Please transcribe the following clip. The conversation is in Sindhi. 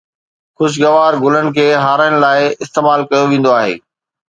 خوشبودار گلن کي هارائڻ لاءِ استعمال ڪيو ويندو آهي.